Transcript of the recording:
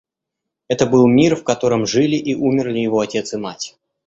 Это был мир, в котором жили и умерли его отец и мать.